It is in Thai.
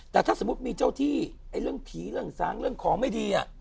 แต่ถ้าสมมุติมีเจ้าที่เรื่องผีเรื่องสางเรื่องของไม่ดี